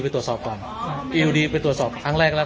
ไม่ใช่ว่าถูกผิดปฏิบัติอะไรนะครับ